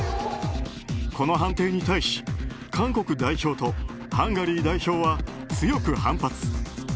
この判定に対し韓国代表とハンガリー代表は強く反発。